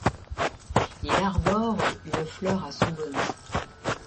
Il arbore une fleur à son bonnet.